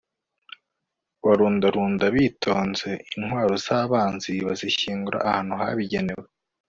barundarunda bitonze intwaro z'abanzi bazishyingura ahantu habigenewe